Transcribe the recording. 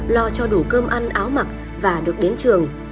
lo cho đủ cơm ăn áo mặc và được đến trường